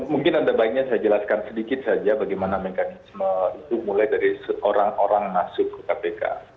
mungkin ada baiknya saya jelaskan sedikit saja bagaimana mekanisme itu mulai dari orang orang masuk ke kpk